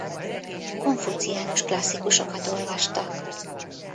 Konfuciánus klasszikusokat olvastak.